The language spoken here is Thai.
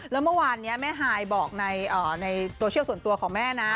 แล้วเมื่อวานนี้แม่ฮายบอกในโซเชียลส่วนตัวของแม่นะ